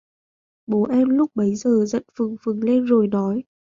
Bố em lúc bấy giờ giận phừng phừng lên rồi nói